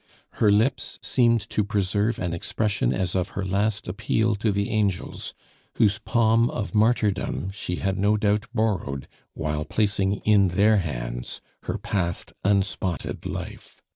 Her lips seemed to preserve an expression as of her last appeal to the angels, whose palm of martyrdom she had no doubt borrowed while placing in their hands her past unspotted life.